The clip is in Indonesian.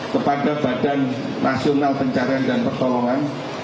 kepada badan nasional pencarian dan pertolongan